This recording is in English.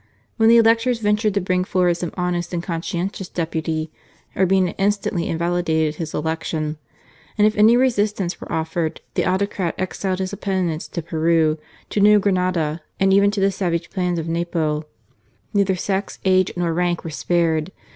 When the electors ventured to bring forward some honest and conscientious deputy, Urbina instantly invalidated his election ; and if any resistance were offered, the autocrat exiled his opponents to Peru, to New Grenada, and even to the savage plains of Napo. Neither sex, age, nor rank were spared.